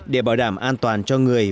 để bảo đảm an toàn cho người